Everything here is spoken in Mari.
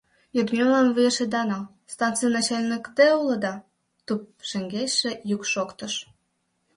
— Йодмемлан вуеш ида нал, станций начальник те улыда? — туп шеҥгечше йӱк шоктыш.